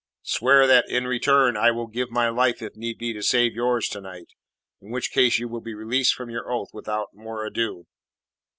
Swear that, and, in return, I will give my life if need be to save yours to night, in which case you will be released from your oath without more ado."